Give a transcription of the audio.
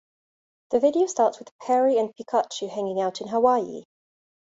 The video starts with Perry and Pikachu hanging out in Hawaii.